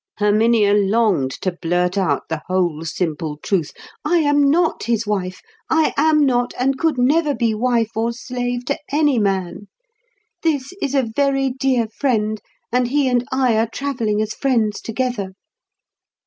Herminia longed to blurt out the whole simple truth. "I am not his wife. I am not, and could never be wife or slave to any man. This is a very dear friend, and he and I are travelling as friends together."